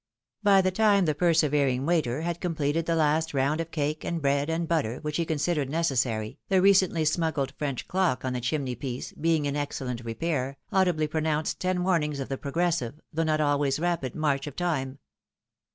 By the time the persevering waiter had completed the last round of cake and bread and buttsr which he considered neces sary, the recently smuggled French clock on the chimney piece, being in excellent repair, audibly pronounced ten warnings of the progressive, though not always rapid, march of time.